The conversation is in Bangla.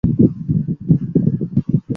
কী বলতে চাইছো?